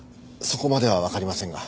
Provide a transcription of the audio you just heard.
そこまではわかりませんが。